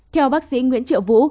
theo bác sĩ nguyễn triệu vũ